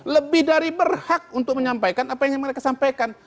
lebih dari berhak untuk menyampaikan apa yang mereka sampaikan